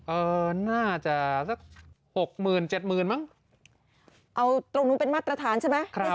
เออน่าจะสักหกหมื่นเจ็ดหมื่นมั้งเอาตรงนู้นเป็นมาตรฐานใช่ไหม